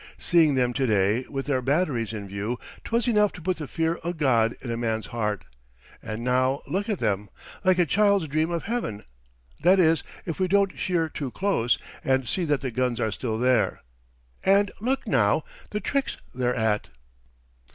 Seeing them to day, with their batteries in view, 'twas enough to put the fear o' God in a man's heart, and now look at them like a child's dream of heaven that is, if we don't sheer too close and see that the guns are still there. And, look now, the tricks they're at!"